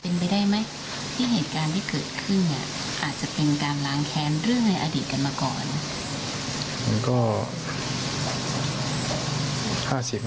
แล้วก็แค้นเรื่องในอดีตกันมาก่อนมันก็๕๐๕๐ครับ